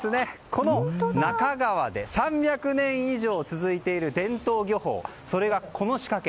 この那珂川で３００年以上続いている伝統漁法それが、この仕掛け。